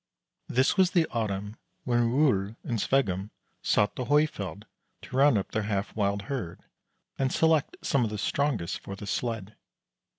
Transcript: This was the autumn when Rol and Sveggum sought the Hoifjeld to round up their half wild herd and select some of the strongest for the sled.